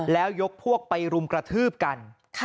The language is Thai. แล้วยกพวกไปรุมกระทืบกัน